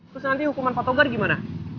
terus nanti hukuman fotogar gimana